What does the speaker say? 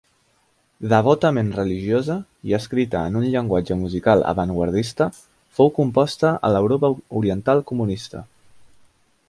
Devotament religiosa i escrita en un llenguatge musical avantguardista, fou composta a l'Europa Oriental comunista.